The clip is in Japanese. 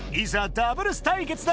ダブルス対決だ！